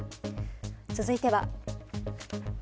続いては。